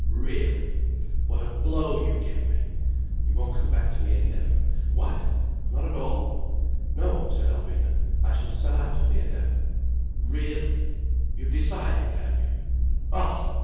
"Really! What a blow you give me! You won't come back to the Endeavour? What? Not at all?" "No," said Alvina. "I shall sell out of the Endeavour." "Really! You've decided, have you? Oh!